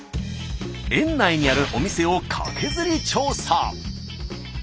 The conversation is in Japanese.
園内にあるお店をカケズリ調査。